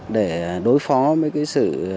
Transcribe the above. để đối phó với cái sự